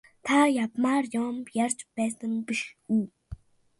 Та явмаар юм ярьж байсан биш үү?